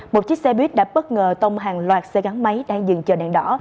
một chiếc xe buýt đã bất ngờ tông hàng loạt xe gắn máy đang dừng chờ đèn đỏ